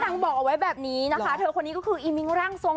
บอกเอาไว้แบบนี้นะคะเธอคนนี้ก็คืออีมิ้งร่างทรง